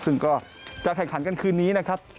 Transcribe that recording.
ซึ่งก็จะแข่งขันกันคืนนี้นะครับ